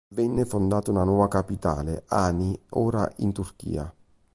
Venne fondata una nuova capitale, Ani, ora in Turchia.